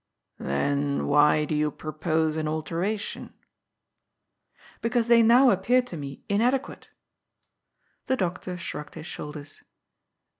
" Then why do you propose an alteration ?"" Because they now appear to me inadequate." The doctor shrugged his shoulders.